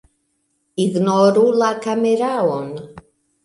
Ignoru la kameraon